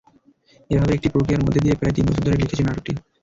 এভাবে একটি প্রক্রিয়ার মধ্য দিয়ে প্রায় তিন বছর ধরে লিখেছি নাটকটি।